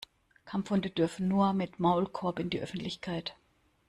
Kampfhunde dürfen nur mit Maulkorb in die Öffentlichkeit.